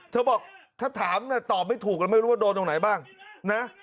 บอกถ้าถามตอบไม่ถูกก็ไม่รู้ว่าโดนตรงไหนบ้างนะ